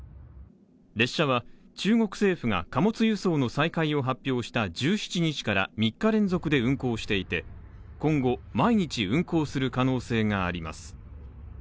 列車は中国政府が、貨物輸送の再開を発表した１７日から３日連続で運行していて、今後、毎日運行する可能性があります。